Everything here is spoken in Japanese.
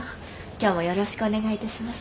今日もよろしくお願い致します。